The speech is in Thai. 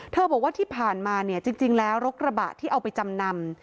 บอกว่าที่ผ่านมาเนี่ยจริงแล้วรถกระบะที่เอาไปจำนำ